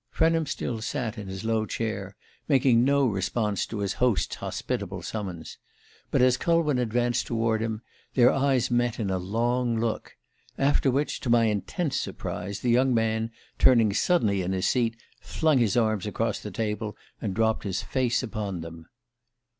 Frenham still sat in his low chair, making no response to his host's hospitable summons. But as Culwin advanced toward him, their eyes met in a long look; after which, to my intense surprise, the young man, turning suddenly in his seat, flung his arms across the table, and dropped his face upon them.